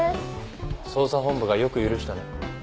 捜査本部がよく許したな。